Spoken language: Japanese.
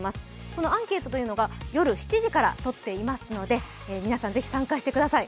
このアンケートというのが、夜７時からとっていますので皆さん、ぜひ参加してください。